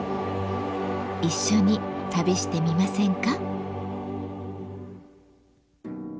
一緒に旅してみませんか？